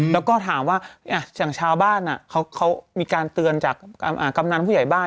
แล้วก็ถามว่าอย่างชาวบ้านเขามีการเตือนจากกำนันผู้ใหญ่บ้าน